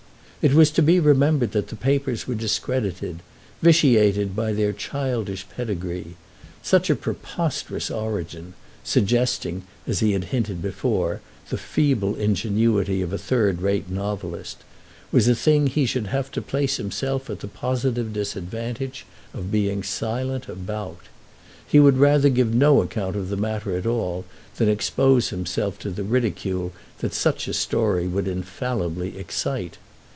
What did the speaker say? It was to be remembered that the papers were discredited, vitiated by their childish pedigree; such a preposterous origin, suggesting, as he had hinted before, the feeble ingenuity of a third rate novelist, was a thing he should have to place himself at the positive disadvantage of being silent about. He would rather give no account of the matter at all than expose himself to the ridicule that such a story would infallibly excite.